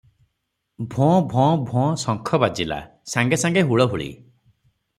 ଭୋଁ -ଭୋଁ -ଭୋଁ ଶଙ୍ଖ ବାଜିଲା! ସାଙ୍ଗେ ସାଙ୍ଗେ ହୁଳହୁଳି ।